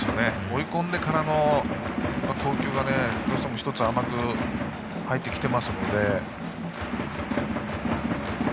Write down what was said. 追い込んでからの投球がどうも甘く入ってきているので。